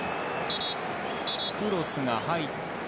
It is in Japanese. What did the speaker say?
クロスが入って。